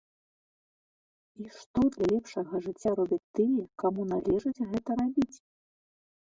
І што для лепшага жыцця робяць тыя, каму належыць гэта рабіць?